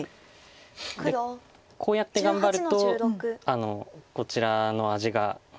でこうやって頑張るとこちらの味が。